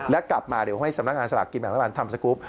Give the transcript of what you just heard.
และกลับมาเดี๋ยวให้สำนักงานสลากกินแบ่งรัฐบาลทำสกรูป